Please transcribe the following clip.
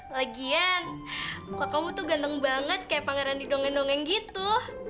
lagian muka kamu tuh ganteng banget kayak pangeran di dongeng dongeng gitu